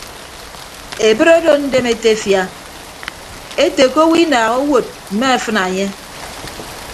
Ebre odo ndem etefia ete ke owo inaaha owod mme afịna enye.